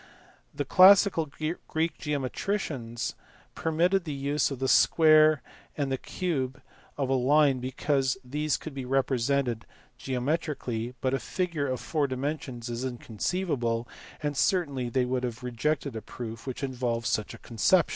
The classical Greek geometricians permitted the use of the square and the cube of a line because these could be represented geometrically, but a figure of four dimensions is inconceivable, and certainly they would have rejected a proof which involved such a conception.